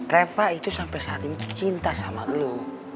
reva itu sampe saat ini cinta sama lu